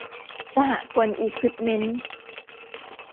สหกลอิควิปเมนท์